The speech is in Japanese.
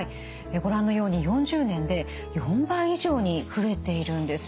ご覧のように４０年で４倍以上に増えているんです。